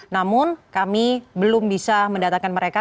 namun kami belum bisa mendatangkan mereka